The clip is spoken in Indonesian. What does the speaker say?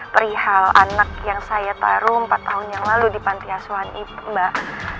perihal anak yang saya taruh empat tahun yang lalu di panti asuhan itu mbak